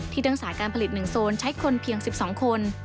ทั้งสายการผลิต๑โซนใช้คนเพียง๑๒คน